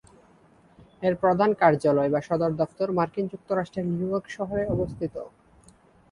এর প্রধান কার্যালয় বা সদর দফতর মার্কিন যুক্তরাষ্ট্রের নিউইয়র্ক শহরে অবস্থিত।